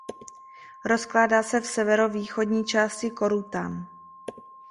Rozkládá se v severovýchodní části Korutan.